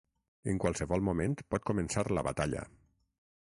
En qualsevol moment pot començar la batalla.